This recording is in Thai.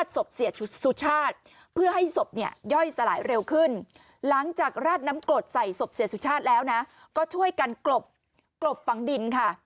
สบเสียสุชาติแล้วนะก็ช่วยกันกลบกลบฝังดินค่ะ